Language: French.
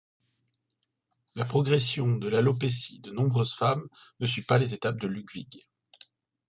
La progression de l'alopécie de nombreuses femmes ne suit pas les étapes de Ludwig.